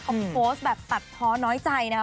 เขาโพสต์แบบตัดท้อน้อยใจนะครับ